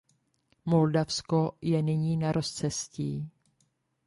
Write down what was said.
Moldavsko je nyní na rozcestí.